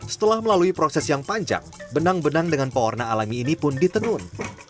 setelah melalui proses yang panjang benang benang dengan pewarna alami ini pun ditenun